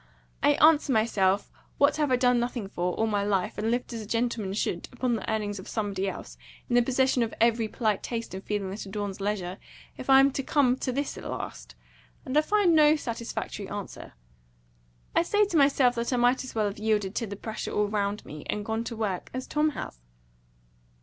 I ask myself, what have I done nothing for, all my life, and lived as a gentleman should, upon the earnings of somebody else, in the possession of every polite taste and feeling that adorns leisure, if I'm to come to this at last? And I find no satisfactory answer. I say to myself that I might as well have yielded to the pressure all round me, and gone to work, as Tom has."